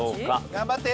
頑張って！